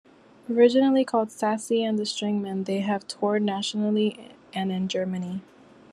Originally called Sassy and the Stringman they have toured nationally and in Germany.